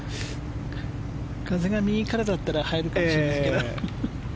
風が右からだったら入るかもしれませんけど。